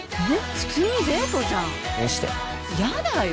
普通にデートじゃん見してやだよ！